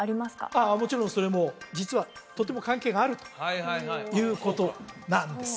ああもちろんそれも実はとても関係があるということなんです